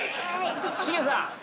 シゲさん！